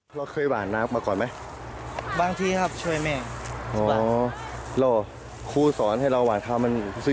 เป็นอาชีพของพ่อแม่น